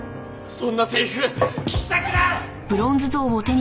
そんなセリフ聞きたくない！